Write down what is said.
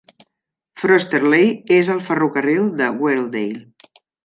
Frosterley és al ferrocarril de Weardale.